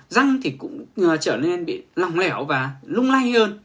răng thì cũng trở nên bị lỏng lẻo và lung lay hơn